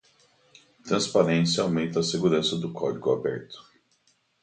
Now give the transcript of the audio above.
Transparência aumenta a segurança do código aberto.